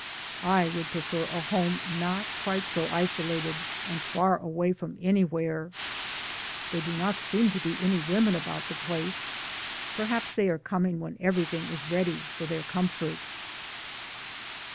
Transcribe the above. I would prefer a home not quite so isolated and far away from any where. There do not seem to be any women about the place, perhaps they are coming when everything is ready for their comfort.